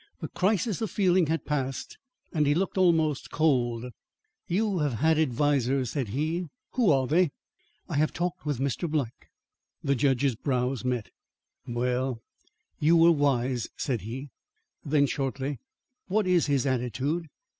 The crisis of feeling had passed, and he looked almost cold. "You have had advisers," said he. "Who are they?" "I have talked with Mr. Black." The judge's brows met. "Well, you were wise," said he. Then shortly, "What is his attitude?"